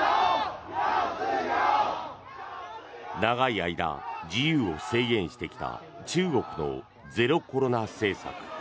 長い間、自由を制限してきた中国のゼロコロナ政策。